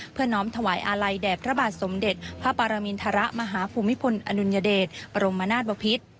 เพื่อน้อมถวายอาลัยแดบระบาดสมเด็จพระปรมินทรมาฮภูมิพลอนุญเดชปรมนาสปภิษฐ์